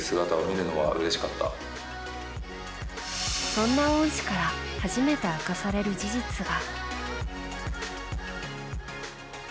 そんな恩師から初めて明かされる事実が。